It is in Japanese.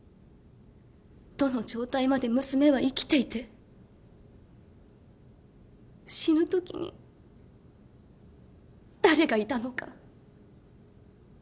どの状態まで娘は生きていて死ぬときに誰がいたのか。